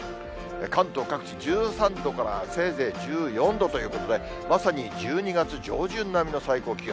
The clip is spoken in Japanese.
関東各地、１３度から、せいぜい１４度ということで、まさに１２月上旬並みの最高気温。